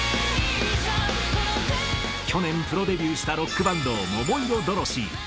去年プロデビューしたロックバンド、桃色ドロシー。